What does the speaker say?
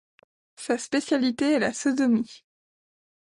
Sa spécialité est la sodomie.